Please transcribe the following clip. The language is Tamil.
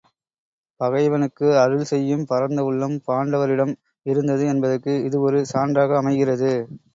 பகைவனுக்கு அருள்செய்யும் பரந்த உள்ளம் பாண்டவரிடம் இருந்தது என்பதற்கு இது ஒரு சான்றாக அமைகிறது.